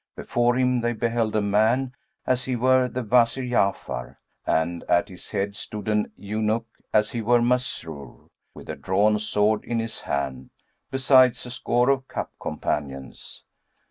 Before him they beheld a man, as he were the Wazir Ja'afar, and at his head stood an eunuch, as he were Masrur, with a drawn sword in his hand; besides a score of cup companions.